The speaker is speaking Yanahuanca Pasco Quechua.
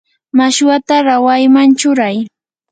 mashwata rawayman churay.